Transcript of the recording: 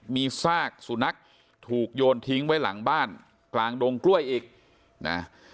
มีซากสุนัขถูกโยนทิ้งไว้หลังบ้านกลางดงกล้วยอีกนะ